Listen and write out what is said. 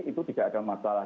itu tidak ada masalah